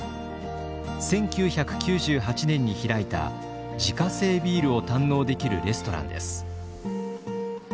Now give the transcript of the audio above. １９９８年に開いた自家製ビールを堪能できるレストランです。